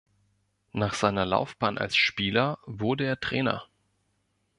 Nach seiner Laufbahn als Spieler wurde er Trainer.